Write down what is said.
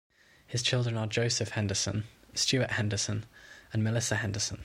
His children are Joseph Henderson, Stuart Henderson and Melissa Henderson.